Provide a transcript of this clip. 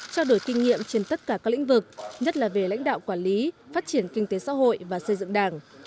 trao đổi kinh nghiệm trên tất cả các lĩnh vực nhất là về lãnh đạo quản lý phát triển kinh tế xã hội và xây dựng đảng